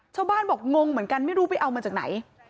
ชาวบ้านบอกงงเหมือนกันไม่รู้ไปเอามาจากไหน